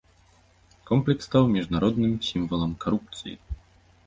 Комплекс стаў міжнародным сімвалам карупцыі.